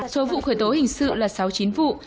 số vụ khởi tố hình sự là sáu mươi chín vụ